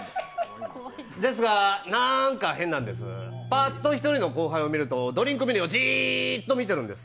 ですが、なーんか変なんです、パッと１人の後輩を見るとドリンクメニューをじーっとみてるんです。